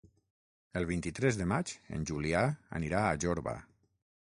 El vint-i-tres de maig en Julià anirà a Jorba.